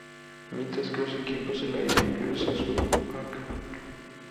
Mientras que los equipos de Celaya y Cruz Azul Oaxaca.